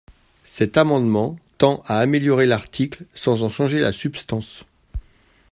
Cet amendement tend à améliorer l’article sans en changer la substance.